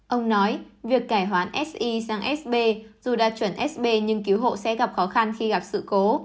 ông nói việc cải hoán si sang sb dù đạt chuẩn sb nhưng cứu hộ sẽ gặp khó khăn khi gặp sự cố